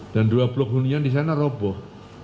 dan dua blok hunian di sana roboh